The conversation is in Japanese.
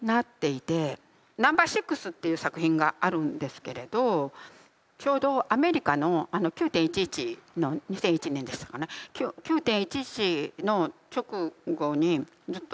「ＮＯ．６」という作品があるんですけれどちょうどアメリカのあの９．１１の２００１年でしたかね９．１１の直後にずっと書いてきた作品なんですけれど。